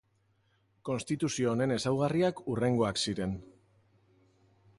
Konstituzio honen ezaugarriak hurrengoak ziren.